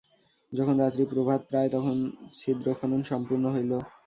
যখন রাত্রি প্রভাতপ্রায়, তখন ছিদ্রখনন সম্পূর্ণ হইল।